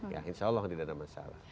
ya insya allah tidak ada masalah